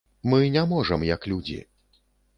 Мы не можам, як людзі.